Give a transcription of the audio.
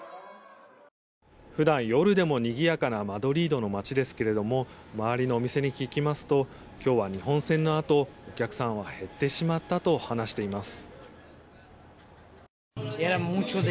普段夜でもにぎやかなマドリードの街ですけれども周りのお店に聞きますと今日は日本戦のあとお客さんは減ってしまったと話しています。